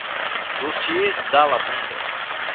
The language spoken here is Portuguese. Dossiê da lavanda